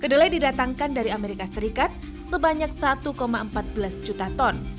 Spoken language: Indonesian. kedelai didatangkan dari amerika serikat sebanyak satu empat belas juta ton